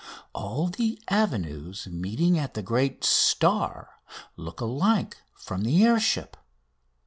All the avenues meeting at the great "Star" look alike from the air ship.